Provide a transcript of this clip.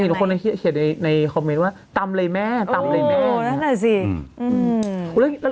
ได้เห็นในคอมเมนต์ว่าตำเลยแม่ตำเลยแม่